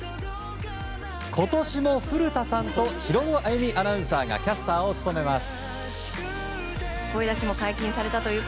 今年も古田さんとヒロド歩美アナウンサーがキャスターを務めます。